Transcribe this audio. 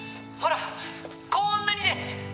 「ほらこーんなにです！」